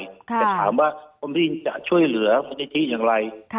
แต่ถามว่ากรมที่ดินจะช่วยเหลือพื้นที่อย่างไร